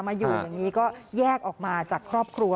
มาอยู่อย่างนี้ก็แยกออกมาจากครอบครัว